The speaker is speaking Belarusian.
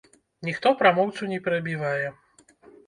Ніхто прамоўцу не перабівае.